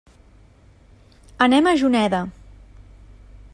Anem a Juneda.